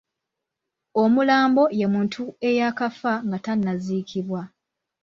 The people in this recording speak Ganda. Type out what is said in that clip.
Omulambo ye muntu eyakafa nga tannaziikibwa.